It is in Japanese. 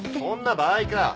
そんな場合か。